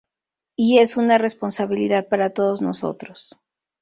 Y es una responsabilidad para todos nosotros".